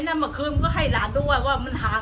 กลับมาที่สุดท้ายมีกลับมาที่สุดท้าย